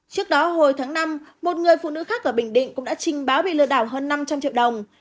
trước đó hồi tháng năm một người phụ nữ khác ở bình định cũng đã trình báo bị lừa đảo hơn năm trăm linh triệu đồng